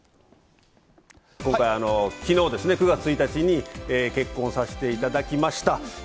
今回、きのうですね、９月１日に結婚させていただきました。